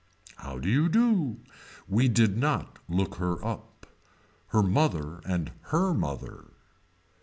How do you do. We did not look her up. Her mother and her mother.